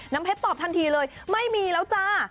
เพชรตอบทันทีเลยไม่มีแล้วจ้า